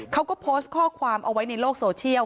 เขาก็โพสต์ข้อความเอาไว้ในโลกโซเชียล